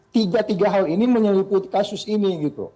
tiga tiga hal ini menyelepuhi kasus ini